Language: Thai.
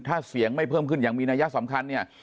ถ้าเสียงไม่เพิ่มขึ้นอย่างมีนัยสำคัญเนี่ย